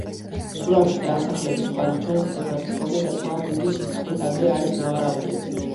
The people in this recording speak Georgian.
სურამში დასახლების კვალი ჩვენს წელთაღრიცხვამდე საკმაოდ დიდი ხნით ადრე არის ნავარაუდევი.